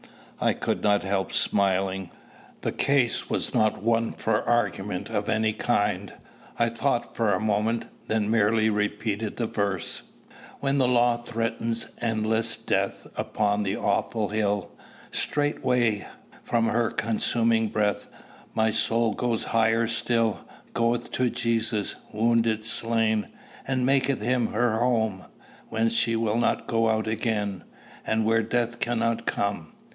I could not help smiling. The case was not one for argument of any kind: I thought for a moment, then merely repeated the verse, "When the law threatens endless death, Upon the awful hill, Straightway, from her consuming breath, My soul goes higher still, Goeth to Jesus, wounded, slain, And maketh him her home, Whence she will not go out again, And where Death cannot come."